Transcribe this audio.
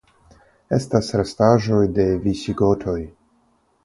Estas restaĵoj de visigotoj.